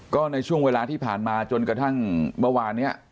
ก็ในช่วงเวลาที่ผ่านมาจนกระทั่งเมื่อวานนี้